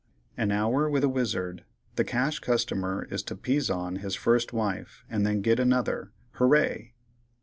An Hour with a Wizard.—The Cash Customer is to "Pizon" his First Wife, and then get Another. Hooray!